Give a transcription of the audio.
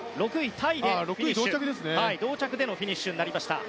タイで、同着でのフィニッシュになりました。